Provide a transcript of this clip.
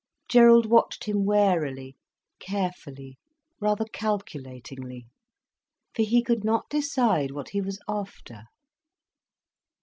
Gerald watched him warily, carefully, rather calculatingly, for he could not decide what he was after.